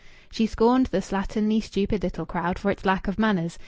She scorned the slatternly, stupid little crowd for its lack of manners.